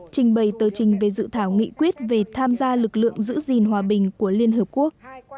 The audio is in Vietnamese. trình bày tờ trình về dự thảo nghị quyết về tham gia lực lượng giữ gìn hòa bình của liên hợp quốc